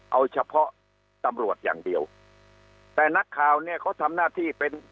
เอาเฉพาะตำรวจอย่างเดียวแต่นักข่าวเนี่ยเขาทำหน้าที่เป็น